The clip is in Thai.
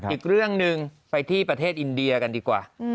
อีกเรื่องหนึ่งไปที่ประเทศอินเดียกันดีกว่า